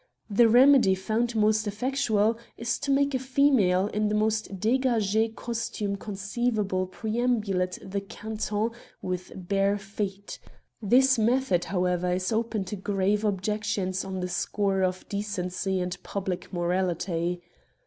The remedy found most effectual is to make a female in the most d^gag^ costume conceivable perambulate the canton with bare feet. This method, however, is open to grave objections on the score of decency and public morality.